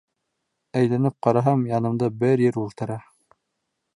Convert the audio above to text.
Әйләнеп ҡараһам, янымда бер ир ултыра.